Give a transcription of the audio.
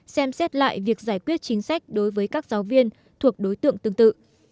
xem xét lại việc giải quyết chính sách đối với các giáo viên thuộc đối tượng tương tự